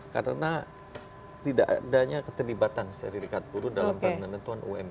karena tidak adanya ketidibatan serikat buruh dalam penentuan ump